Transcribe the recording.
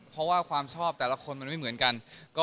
เพราะว่าความชอบแต่ละคนมันไม่เหมือนกัน